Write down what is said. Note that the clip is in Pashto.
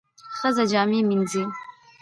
ښځه جامې مینځي.